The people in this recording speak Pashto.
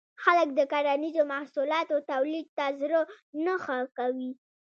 خلک د کرنیزو محصولاتو تولید ته زړه نه ښه کوي.